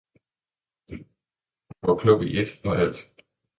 Hun var klog i Eet og Alt.